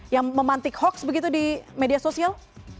yang memantik hoax begitu di media sosial